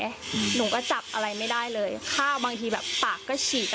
หนูก็จับอะไรไม่ได้เลยข้าวบางทีแบบปากก็ฉีก